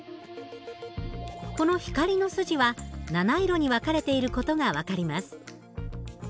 この光の筋は７色に分かれている事が分かります。